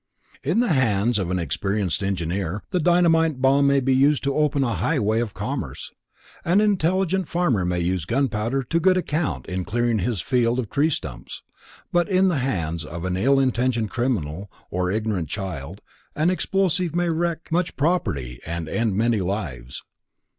In the hands of an experienced engineer the dynamite bomb may be used to open a highway of commerce, and an intelligent farmer may use gunpowder to good account in clearing his field of tree stumps, but in the hands of an ill intentioned criminal or ignorant child an explosive may wreck much property and end many lives.